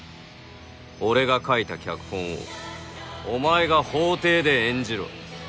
俺が書いた脚本をお前が法廷で演じろ。